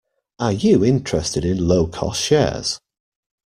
Are you interested in low-cost shares?